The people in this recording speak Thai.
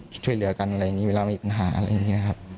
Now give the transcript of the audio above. ช่วยเหลือกันอะไรอย่างนี้เวลามีปัญหาอะไรอย่างนี้ครับ